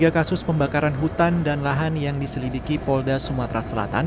tiga kasus pembakaran hutan dan lahan yang diselidiki polda sumatera selatan